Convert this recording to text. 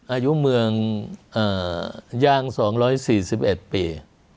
อายุเมืองย่าง๒๔๑ปี